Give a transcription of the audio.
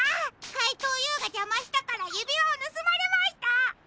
かいとうＵがじゃましたからゆびわをぬすまれました。